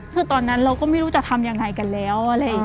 คือตอนนั้นเราก็ไม่รู้จะทำยังไงกันแล้ว